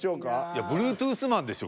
いやブルートゥースマンでしょ